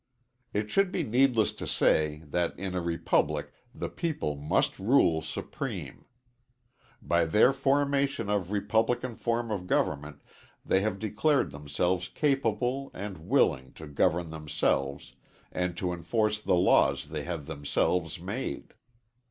It should be needless to say that in a republic the people must rule supreme. By their formation of republican form of government they have declared themselves capable and willing to govern themselves, and to enforce the laws they have themselves made.